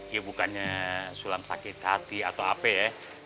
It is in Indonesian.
ya bukannya sulam sakit hati atau apa ya